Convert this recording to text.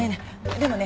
でもね